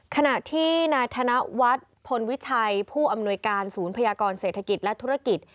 ขณะที่นายธนวัฒน์พลวิชัยผู้อำนวยการศูนย์พยากรเศรษฐกิจและธุรกิจ